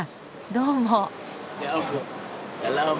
どうも。